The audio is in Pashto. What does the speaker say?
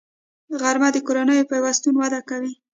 غرمه د کورنیو پیوستون وده کوي